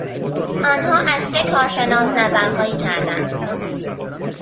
آنها از سه کارشناس نظر خواهی کردند.